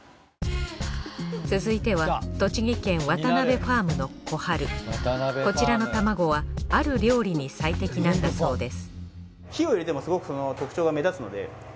続いては栃木県ワタナベファームのこちらの卵はある料理に最適なんだそうです